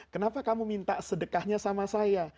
kenapa kamu minta sedekahnya sama saya